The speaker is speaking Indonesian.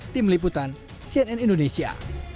tim liputan cnn indonesia